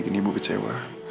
gak ada apa apa